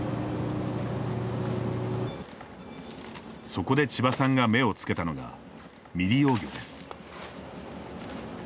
そこで千葉さんが目をつけたのが未利用魚です。